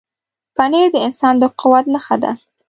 پنېر د انسان د قوت نښه ده.